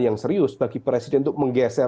yang serius bagi presiden untuk menggeser